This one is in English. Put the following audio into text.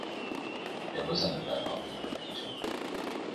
It was an event on the European Tour.